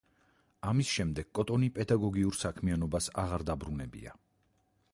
ამის შემდეგ კოტონი პედაგოგიურ საქმიანობას აღარ დაბრუნებია.